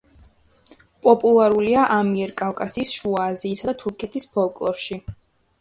პოპულარულია ამიერკავკასიის, შუა აზიისა და თურქეთის ფოლკლორში.